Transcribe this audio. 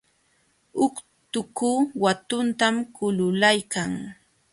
Utku watutam kululaykan.